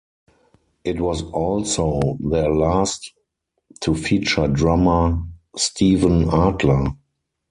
It was also their last to feature drummer Steven Adler.